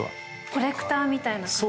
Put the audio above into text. コレクターみたいな感じ。